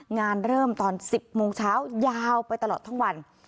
งานเริ่มตอน๑๐โมงเช้ายาวไปตลอดทั้งวัน